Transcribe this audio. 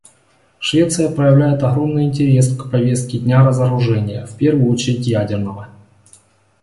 Швеция проявляет огромный интерес к повестке дня разоружения, в первую очередь ядерного.